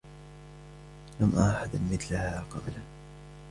لم أر أحدا مثلها قبلا.